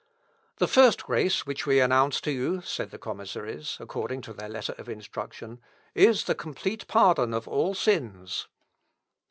"The first grace which we announce to you," said the commissaries, according to their Letter of Instruction, "is the complete pardon of all sins."